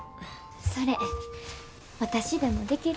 それ私でもできる？